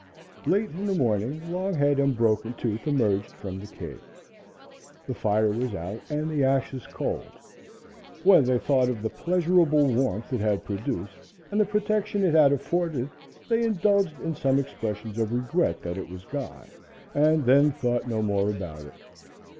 Late in the morning Longhead and Broken Tooth emerged from the cave. The fire was out and the ashes cold. When they thought of the pleasurable warmth it had produced and the protection it had afforded they indulged in some expressions of regret that it was gone, and then thought no more about it.